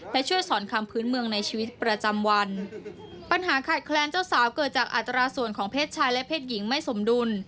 และช่วยสอนคำพื้นเมืองในชีวิตประจำวันปัญหาขาดแคลนเจ้าสาวเกิดจากอัตราส่วนของเพศชายและเพศหญิงไม่สมดุล